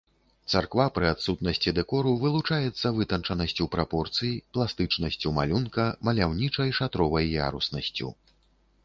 Царква пры адсутнасці дэкору вылучаецца вытанчанасцю прапорцый, пластычнасцю малюнка, маляўнічай шатровай яруснасцю.